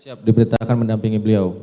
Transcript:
siap diperintahkan mendampingi beliau